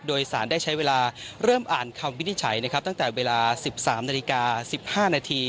โดยสารได้ใช้เวลาเริ่มอ่านคำวินิจฉัยนะครับตั้งแต่เวลา๑๓นาฬิกา๑๕นาที